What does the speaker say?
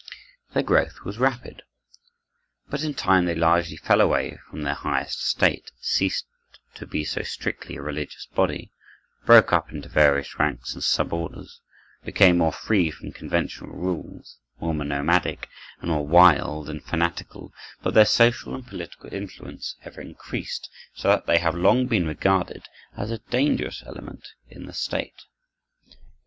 Their growth was rapid; but in time they largely fell away from their highest estate, ceased to be so strictly a religious body, broke up into various ranks and sub orders, became more free from conventional rules, more nomadic, and more wild and fanatical; but their social and political influence ever increased, so that they have long been regarded as a dangerous element in the state.